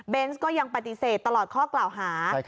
ก็ยังปฏิเสธตลอดข้อกล่าวหา